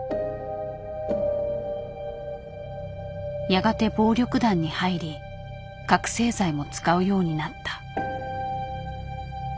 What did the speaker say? やがて暴力団に入り覚醒剤も使うようになった。